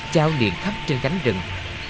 chao liền khắp trên cánh rừng